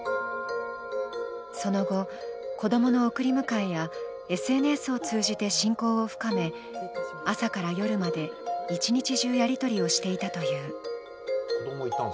その後、子供の送り迎えやＳＮＳを通じて親交を深め朝から夜まで一日中やりとりをしていたという。